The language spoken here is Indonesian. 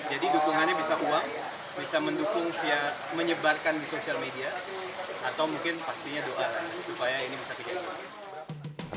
jadi dukungannya bisa uang bisa mendukung via menyebarkan di sosial media atau mungkin pastinya doa supaya ini bisa dikendalikan